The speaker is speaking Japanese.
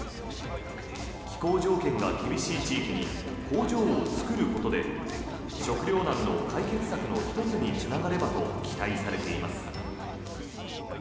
気候条件が厳しい地域に工場を作ることで食料難の解決策の１つにつながればと期待されています。